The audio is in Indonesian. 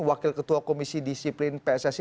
wakil ketua komisi disiplin pssi